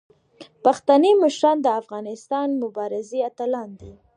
پښتني مشران د افغانستان د مبارزې اتلان دي.